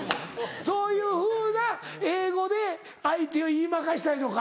そういうふうな英語で相手を言い負かしたいのか。